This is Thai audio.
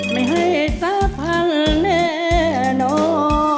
ไม่ให้สักพันแน่นอน